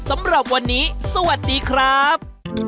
สำหรับวันนี้สวัสดีครับ